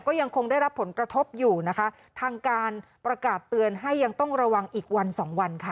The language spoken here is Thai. ก็ยังคงได้รับผลกระทบอยู่นะคะทางการประกาศเตือนให้ยังต้องระวังอีกวันสองวันค่ะ